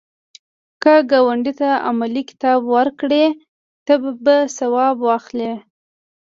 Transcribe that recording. که ګاونډي ته علمي کتاب ورکړې، ته به ثواب واخلی